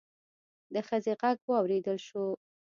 د ښځې غږ واوريدل شو.